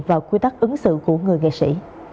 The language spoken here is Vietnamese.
vào quy tắc ứng xử của người nghệ sĩ